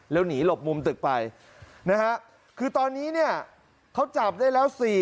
แล้วหนีหลบมุมตึกไปนะฮะคือตอนนี้เนี่ยเขาจับได้แล้ว